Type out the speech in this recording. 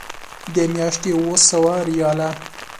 د میاشتې اوه سوه ریاله.